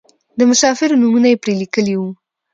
د مسافرو نومونه یې پرې لیکلي وو.